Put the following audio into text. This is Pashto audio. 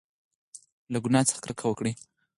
له ګناه څخه کرکه وکړئ.